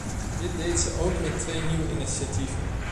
Dit deed ze ook met twee nieuwe initiatieven.